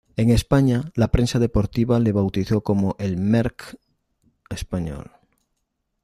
En España, la prensa deportiva le bautizó como ""el Merckx español"".